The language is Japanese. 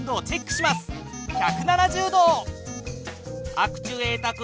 アクチュエータ君